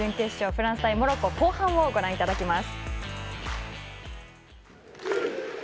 フランス対モロッコ後半をご覧いただきます。